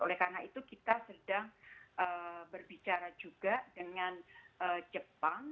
oleh karena itu kita sedang berbicara juga dengan jepang